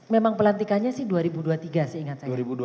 memang pelantikannya sih dua ribu dua puluh tiga seingat saya